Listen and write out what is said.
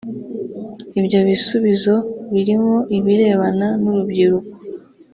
Ibyo bisubizo birimo ibirebana n’urubyiruko